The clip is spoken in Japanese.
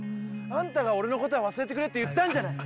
あんたが「俺のことは忘れてくれ」って言ったんじゃない！